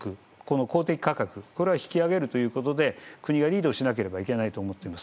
公的価格これは引き上げるということで国がリードしなければいけないと思っております。